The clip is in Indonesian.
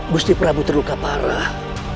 gusti prabu terluka parah